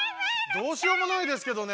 どうしようもないですけどね